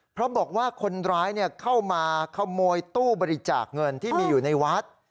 เพราะบอกว่าคนร้ายเข้ามาขโมยตู้บริจาคเงินที่มีอยู่ในวัด